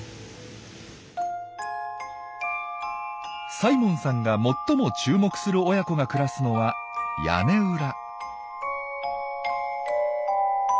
サイモンさんが最も注目する親子が暮らすのは屋根裏。